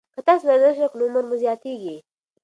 که تاسي ورزش وکړئ، نو عمر مو زیاتیږي.